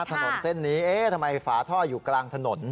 ถนนเส้นนี้เอ๊ะทำไมฝาท่ออยู่กลางถนน